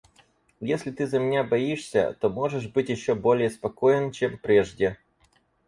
Если ты за меня боишься, то можешь быть еще более спокоен, чем прежде.